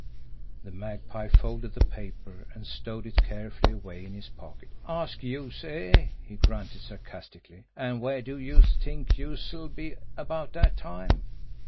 The Magpie folded the paper and stowed it carefully away in his pocket. "Ask youse, eh!" he grunted sarcastically. "An' where do youse t'ink youse'll be about dat time?"